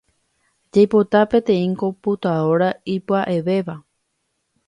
Jaipota peteĩ computadora ipya’evéva.